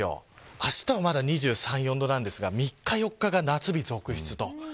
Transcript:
あしたはまだ２３、４度なんですが３日、４日は夏が続出と。